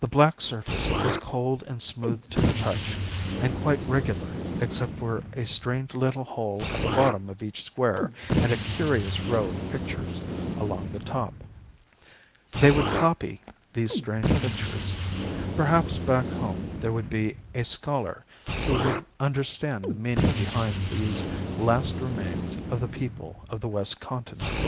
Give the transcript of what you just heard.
The black surface was cold and smooth to the touch and quite regular except for a strange little hole at the bottom of each square and a curious row of pictures along the top. They would copy these strange pictures. Perhaps back home there would be a scholar who would understand the meaning behind these last remains of the people of the west continent.